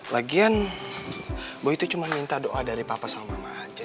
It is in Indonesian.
lagian bahwa itu cuma minta doa dari papa sama mama aja